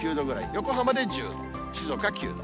横浜で１０度、静岡９度。